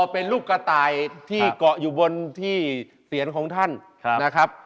เป็นลูกกระต่ายที่เกาะอยู่บนที่เสียนของท่านนะครับ